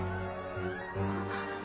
あっ。